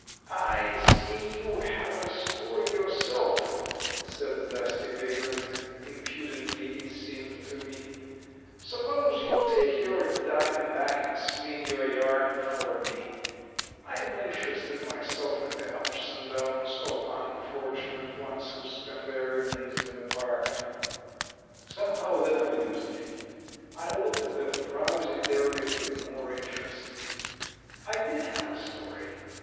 "I see you have a story yourself," said the dusty vagrant impudently, it seemed to me. "Suppose you take your dime back and spin your yarn for me. I'm interested myself in the ups and downs of unfortunate ones who spend their evenings in the park." Somehow, that amused me. I looked at the frowsy derelict with more interest. I did have a story.